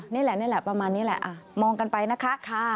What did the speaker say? นี่แหละประมาณนี้แหละมองกันไปนะคะ